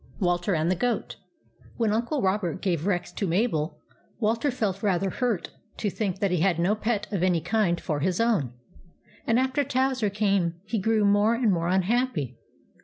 WALTER AND THE GOAT WHEN Uncle Robert gave Rex to Mabel, Walter felt rather hurt to think that he had no pet of any kind for his own, and after Towser came he grew more and more unhappy.